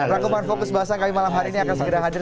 rangkuman fokus bahasan kami malam hari ini akan segera hadir